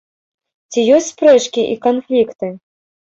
Ці ёсць спрэчкі і канфлікты?